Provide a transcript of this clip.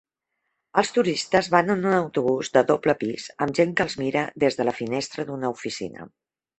Els turistes van en un autobús de doble pis amb gent que els mira des de la finestra d'una oficina.